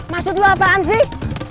maksud lu apaan sih